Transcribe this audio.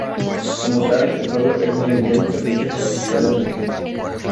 Como tal, el juego es no lineal y permite jugabilidad emergente.